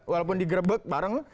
walaupun digrebek bareng